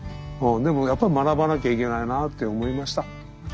でもやっぱり学ばなきゃいけないなって思いました。